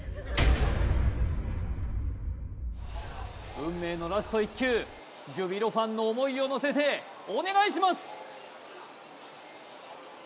運命のラスト１球ジュビロファンの思いをのせてお願いします！